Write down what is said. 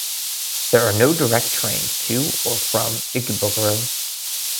There are no direct trains to or from Ikebukuro.